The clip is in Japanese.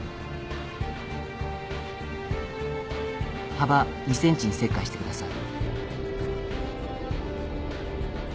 幅２センチに切開してください。